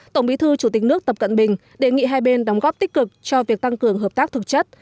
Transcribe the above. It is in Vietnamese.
tổng bí thư chủ tịch nước tập cận bình đề nghị hai bên đóng góp tích cực cho việc tăng cường hợp tác thực chất